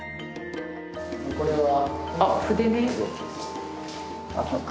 これは。